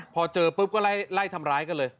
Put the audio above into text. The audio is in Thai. พอเจอปุ๊บก็ไล่ทำร้ายกันเลย